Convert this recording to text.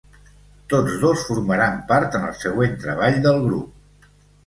Tots dos formaran part en el següent treball del grup.